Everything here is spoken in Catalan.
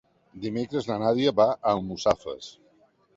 Dimecres na Nàdia va a Almussafes.